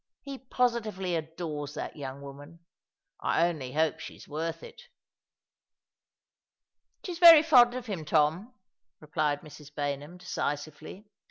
He positively adores that young woman. I only hope she's worth it." "She's very fond of him, Tom," replied Mrs. Baynham, decisively.